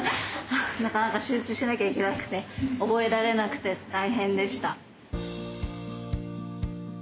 なかなか集中しなきゃいけなくて覚えられなくて大変でした。